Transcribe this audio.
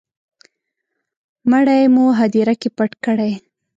مړی مو هدیره کي پټ کړی